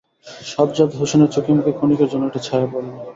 সাজ্জাদ হোসেনের চোখে-মুখে ক্ষণিকের জন্য একটা ছায়া পড়ল।